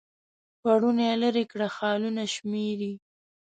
پوړونی لیري کړ خالونه شمیري